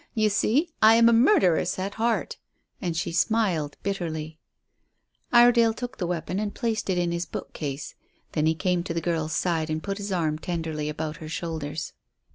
You see, I am a murderess at heart." And she smiled bitterly. Iredale took the weapon and placed it in his bookcase. Then he came to the girl's side and put his arm tenderly about her shoulders.